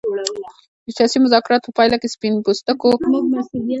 د سیاسي مذاکراتو په پایله کې سپین پوستو حکومت پای ته ورسېد.